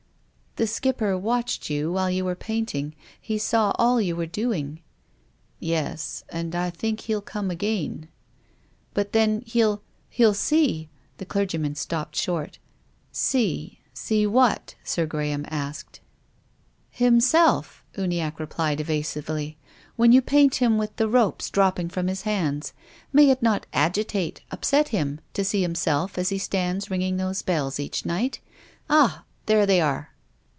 " The Skipper watched you while you were paint ing. Me saw all you were doing." " Yes. And I think he'll come again." " But then— he'll— he'll see—" The clergyman stopped short. "See — sec what?" Sir Graham asked. "Himself," Uniacke replied, evasively. "When you paint him with the ropes dropping from his hands. May it not agitate, upset him, to sec him self as he stands ringing those bells each night? Ah ! there they are